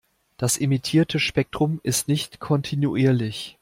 Das emittierte Spektrum ist nicht kontinuierlich.